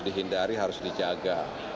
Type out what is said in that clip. dihindari harus dijaga